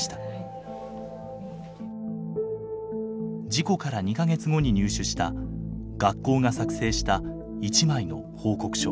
事故から２か月後に入手した学校が作成した一枚の報告書。